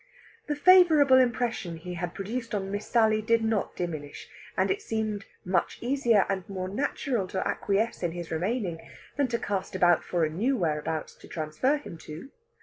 The favourable impression he had produced on Miss Sally did not diminish, and it seemed much easier and more natural to acquiesce in his remaining than to cast about for a new whereabouts to transfer him to.